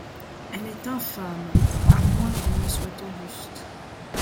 Elle est infâme. -A moins qu'elle ne soit auguste